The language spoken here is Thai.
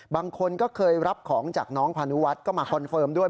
บางคนก็เคยรับของจากน้องพานุวัฒน์ก็มาคอนเฟิร์มด้วย